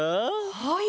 はい。